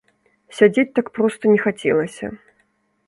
Сядзець так проста не хацелася.